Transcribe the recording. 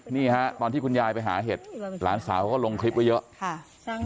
นี่ฮะตอนที่คุณยายไปหาเห็ดหลานสาวเขาก็ลงคลิปไว้เยอะค่ะ